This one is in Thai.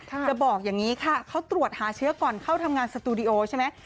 จะบอกอย่างนี้ค่ะเขาตรวจหาเชื้อก่อนเข้าทำงานสตูดิโอใช่ไหม